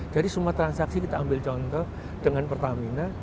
jadi semua transaksi kita ambil contoh dengan pertamina